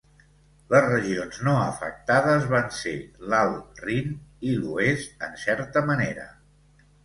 Les regions no afectades van ser l'Alt Rin, i l'oest en certa manera.